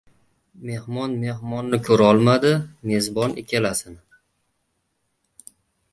• Mehmon mehmonni ko‘rolmadi, mezbon ikkalasini.